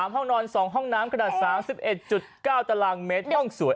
๓ห้องนอน๒ห้องน้ำกระดาษทั้ง๑๑๙ตรมห้องสวย